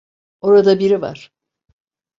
Orada biri var.